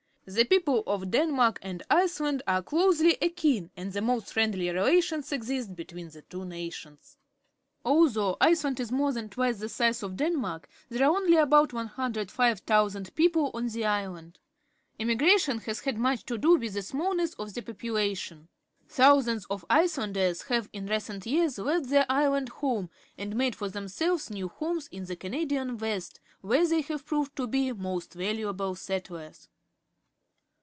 The people of Denmark and Iceland are closely akin, and the most friendly relations exist between the two nations. Although Iceland is more than twice the size of Den ■ mark, there are only about 10."), 000 people on the island. Enugration has had much to do with the smallness of the population. Thou sands of Icelanders have, in recent years, left their island home and made for themselves THE NETHERLANDS 179 new homes in the Canadian West , where they have proved to be most valuable settlers.